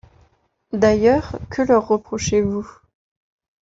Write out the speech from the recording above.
D’ailleurs, que leur reprochez-vous ?